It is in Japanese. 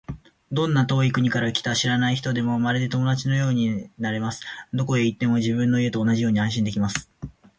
どんな遠い国から来た知らない人でも、まるで友達のようにもてなされます。どこへ行っても、自分の家と同じように安心できます。